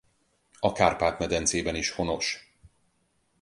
A Kárpát-medencében is honos.